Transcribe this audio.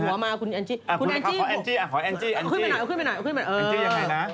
เอาขึ้นไปหน่อย